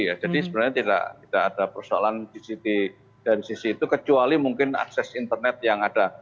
ya jadi sebenarnya tidak ada persoalan dari sisi itu kecuali mungkin akses internet yang ada